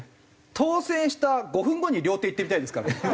当選した５分後に「料亭行ってみたい」ですからね。